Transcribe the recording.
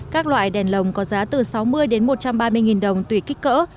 các loại đèn lồng có giá từ sáu mươi đến một trăm ba mươi đồng tùy kích cỡ